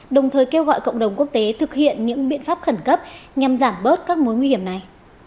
đồng thời kêu gọi cộng đồng quốc tế thực hiện những biện pháp khẩn cấp nhằm giảm bớt các mối nguy hiểm này